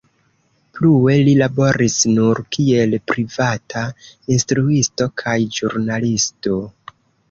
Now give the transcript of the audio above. Plue li laboris nur kiel privata instruisto kaj ĵurnalisto.